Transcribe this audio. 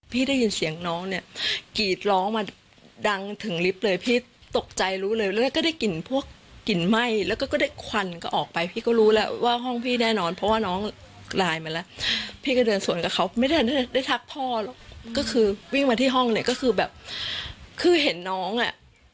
ได้ยินเสียงน้องเนี่ยกรีดร้องมาดังถึงลิฟต์เลยพี่ตกใจรู้เลยแล้วก็ได้กลิ่นพวกกลิ่นไหม้แล้วก็ได้ควันก็ออกไปพี่ก็รู้แล้วว่าห้องพี่แน่นอนเพราะว่าน้องไลน์มาแล้วพี่ก็เดินสวนกับเขาไม่ได้ทักพ่อหรอกก็คือวิ่งมาที่ห้องเนี่ยก็คือแบบคือเห็นน้องอ่ะ